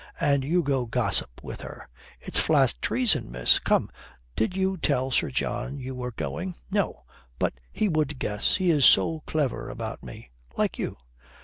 And you go gossip with her. It's flat treason, miss. Come, did you tell Sir John you were going?" "No. But he would guess. He is so clever about me. Like you."